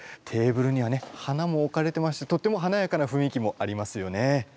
テーブルにはね花も置かれてましてとってもはなやかな雰囲気もありますよね。